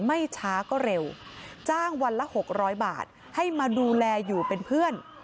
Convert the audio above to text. ไม่ช้าก็เร็วจ้างวันละ๖๐๐บาทให้มาดูแลอยู่เป็นเพื่อน